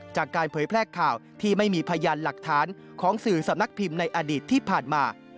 เผยแพร่ข่าวที่ไม่มีพยานหลักฐานของสื่อสำนักพิมพ์ในอดีตที่ผ่านมา